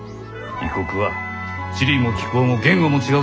異国は地理も気候も言語も違うぞ。